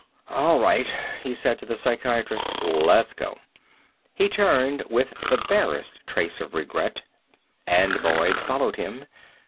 "All right," he said to the psychiatrist, "let's go." He turned with the barest trace of regret, and Boyd followed him.